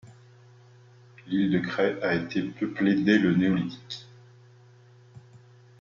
L'île de Cres a été peuplée dès le néolithique.